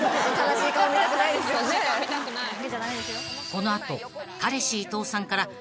［この後彼氏伊藤さんから］